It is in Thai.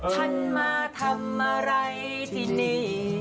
ท่านมาทำอะไรที่นี่